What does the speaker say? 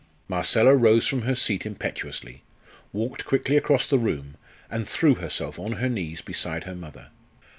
Marcella rose from her seat impetuously, walked quickly across the room, and threw herself on her knees beside her mother.